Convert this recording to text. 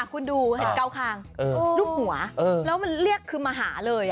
คุณดูเห็นเกาคางรูปหัวแล้วมันเรียกคือมาหาเลย